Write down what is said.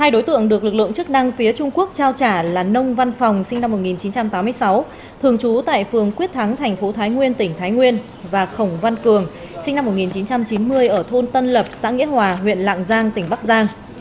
hai đối tượng được lực lượng chức năng phía trung quốc trao trả là nông văn phòng sinh năm một nghìn chín trăm tám mươi sáu thường trú tại phường quyết thắng thành phố thái nguyên tỉnh thái nguyên và khổng văn cường sinh năm một nghìn chín trăm chín mươi ở thôn tân lập xã nghĩa hòa huyện lạng giang tỉnh bắc giang